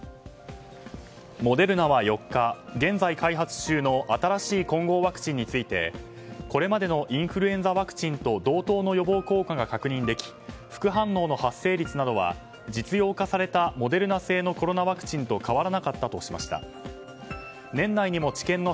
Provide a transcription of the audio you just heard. モデルナは４日、現在開発中の新しい混合ワクチンについてこれまでのインフルエンザワクチンと同等の予防効果が確認でき副反応の発生率などは実用化されたモデルナ製のコロナワクチンと変わらなかったとしました。